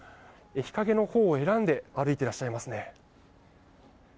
日陰のほうを選んで歩いていらっしゃいますね。